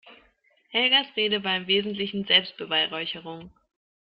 Helgas Rede war im Wesentlichen Selbstbeweihräucherung.